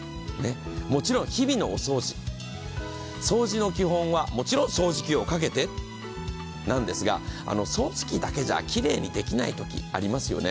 もちろん日々のお掃除、掃除の基本はもちろん掃除機をかけてなんですが掃除機だけじゃきれいにできないとき、ありますよね。